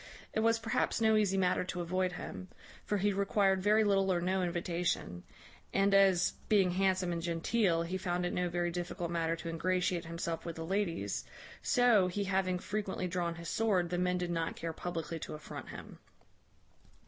It was perhaps no easy matter to avoid him; for he required very little or no invitation; and as, being handsome and genteel, he found it no very difficult matter to ingratiate himself with the ladies, so, he having frequently drawn his sword, the men did not care publickly to affront him.